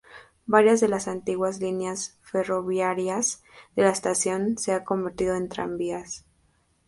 Varias de las antiguas líneas ferroviarias de la estación se han convertido en tranvías.